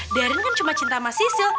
darren kan cuma cinta sama sisil